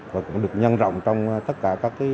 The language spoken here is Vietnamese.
và cũng được nhân rộng trong tất cả các